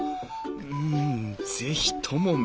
うん是非とも見たい。